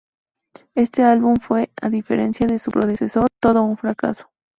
Este álbum fue, a diferencia de su predecesor, todo un fracaso.